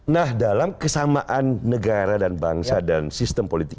nah dalam kesamaan negara dan bangsa dan sistem politik